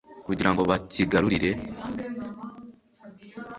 kugira ngo bakigarurire